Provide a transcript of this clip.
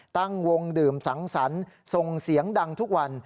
ตั้งวงดื่มสังสรรค์ส่งเสียงดังทุกวัน